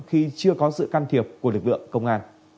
khi chưa có sự can thiệp của lực lượng công an